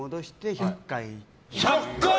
１００回？